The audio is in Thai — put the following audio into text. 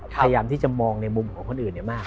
พยายามที่จะมองในมุมของคนอื่นมาก